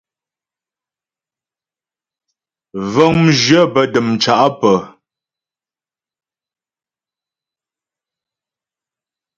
Vəŋ mjyə̂ bə́ dəmcá pə́.